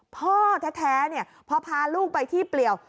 พ่อแท้พอพาลูกไปที่เปลี่ยว